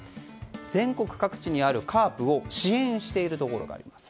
全国各地にあるＣＡＲＰを支援しているところがあります。